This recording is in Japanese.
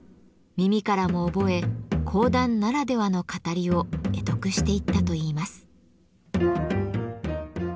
耳からも覚え講談ならではの語りを会得していったといいます。